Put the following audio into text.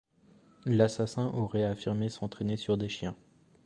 L'assassin aurait affirmé s'entraîner sur des chiens.